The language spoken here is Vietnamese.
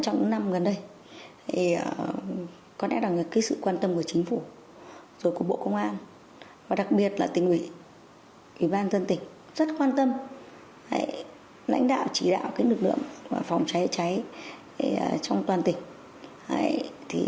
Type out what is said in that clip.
trong những năm gần đây có lẽ là sự quan tâm của chính phủ rồi của bộ công an và đặc biệt là tỉnh ủy ủy ban dân tỉnh rất quan tâm lãnh đạo chỉ đạo lực lượng phòng cháy cháy trong toàn tỉnh